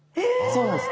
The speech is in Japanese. そうなんです。